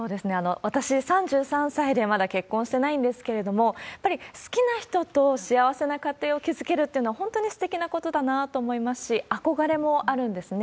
私、３３歳でまだ結婚してないんですけれども、やっぱり好きな人と幸せな家庭を築けるっていうのは、本当にすてきなことだなと思いますし、憧れもあるんですね。